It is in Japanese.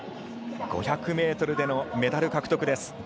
５００ｍでのメダル獲得です。